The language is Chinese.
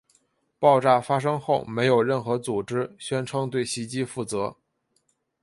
爆炸发生后没有任何组织宣称对袭击负责。